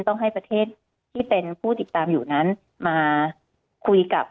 ต้องให้ประเทศที่เป็นผู้ติดตามอยู่นั้นมาคุยกับ